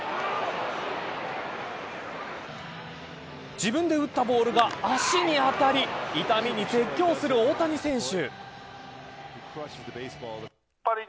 自分で打ったボールが足に当たり痛みに絶叫する大谷選手。